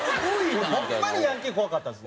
ホンマにヤンキーが怖かったんです。